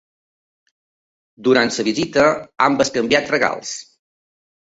Durant la visita han bescanviat regals.